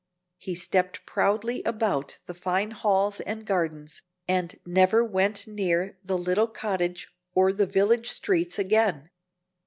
He stepped proudly about the fine halls and gardens, and never went near the little cottage or the village streets again.